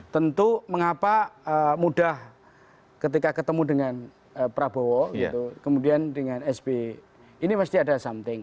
tentu mengapa mudah ketika ketemu dengan prabowo kemudian dengan sp ini mesti ada something